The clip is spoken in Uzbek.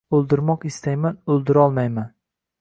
O’ldirmoq istayman, o’ldirolmayman.